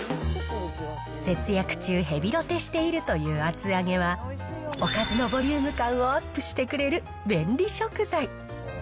節約中ヘビロテしているという厚揚げは、おかずのボリューム感をアップしてくれる便利食材。